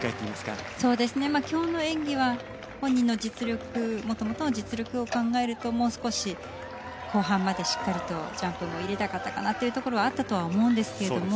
そうですねまあ今日の演技は本人の実力もともとの実力を考えるともう少し後半までしっかりとジャンプも入れたかったかなというところはあったとは思うんですけれども。